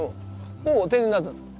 もう定年になったんですか？